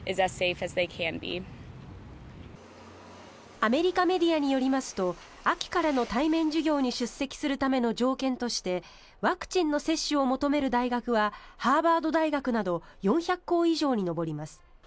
アメリカメディアによりますと秋からの対面授業に出席するための条件としてワクチンの接種を求める大学はハーバード大学など４００校以上に上ります。